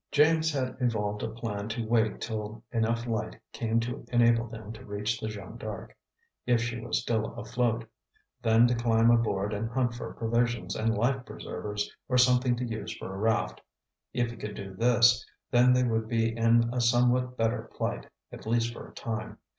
James had evolved a plan to wait till enough light came to enable them to reach the Jeanne D'Arc, if she was still afloat; then to climb aboard and hunt for provisions and life preservers or something to use for a raft. If he could do this, then they would be in a somewhat better plight, at least for a time.